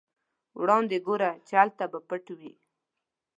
وړاندې ګوره چې هلته به پټ وي.